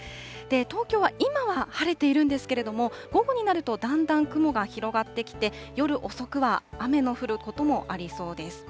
東京は今は晴れているんですけれども、午後になるとだんだん雲が広がってきて、夜遅くは雨の降ることもありそうです。